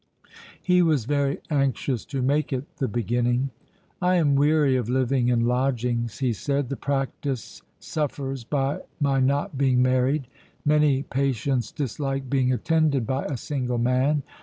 He was very anxious to make it the beginning. "I am weary of living in lodgings," he said. "The practice suffers by my not being married. Many patients dislike being attended by a single man.